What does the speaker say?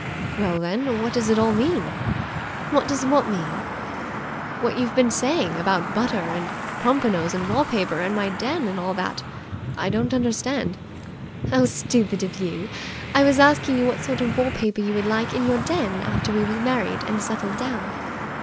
"Well, then, what does it all mean?" "What does what mean?" "What you've been saying about butter and pompanos and wall paper and my den and all that? I don't understand." "How stupid of you! I was asking you what sort of wall paper you would like in your den after we were married and settled down."